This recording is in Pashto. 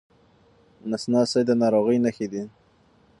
نس ناستي د ناروغۍ نښې دي.